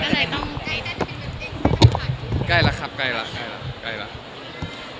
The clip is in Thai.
ก็เลยต้องไกลแล้วครับไกลแล้วไกลแล้ว